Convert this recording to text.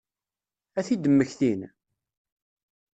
Ad t-id-mmektin?